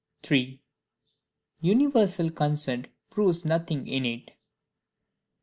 Universal Consent proves nothing innate.